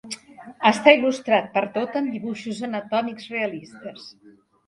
Està il·lustrat per tot amb dibuixos anatòmics realistes.